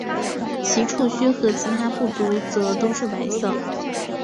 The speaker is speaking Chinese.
其触须和其他步足则都是白色的。